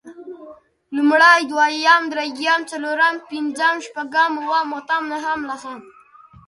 لومړی، دويم، درېيم، څلورم، پنځم، شپږم، اووم، اتم نهم، لسم